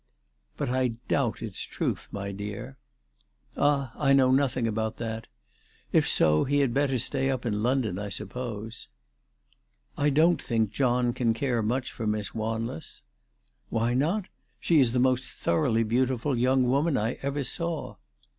" But I doubt its truth, my dear." "Ah! I know nothing about that. If so he had better stay up in London, I suppose." "I don't think John can care much for Miss Wanless." " Why not ? She is the most thoroughly beautiful young woman I ever saw."